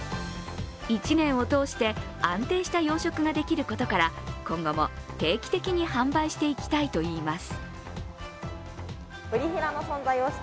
１年を通して安定した養殖ができることから今後も定期的に販売していきたいといいます。